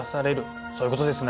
そういうことですね？